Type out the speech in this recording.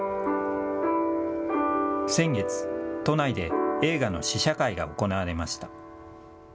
先月、都内で映画の試写会が行われました。